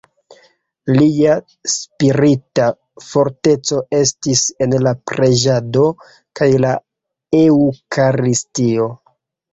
Lia spirita forteco estis en la preĝado kaj la eŭkaristio.